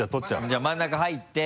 じゃあ真ん中入って。